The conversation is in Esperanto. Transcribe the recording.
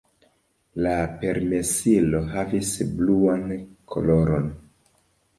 La permesilo havis bluan koloron.